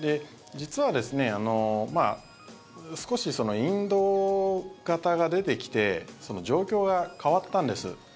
実は少しインド型が出てきて状況が変わったんです。